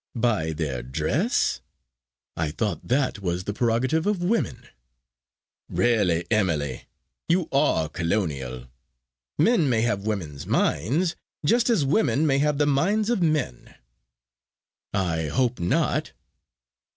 "By their dress? I thought that was the prerogative of women." "Really, Emily, you are colonial. Men may have women's minds, just as women may have the minds of men." "I hope not."